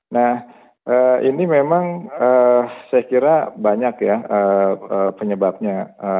nah ini memang saya kira banyak ya penyebabnya